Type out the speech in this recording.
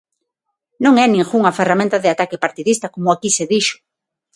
Non é ningunha ferramenta de ataque partidista, como aquí se dixo.